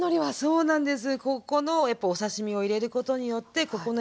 そうなんです。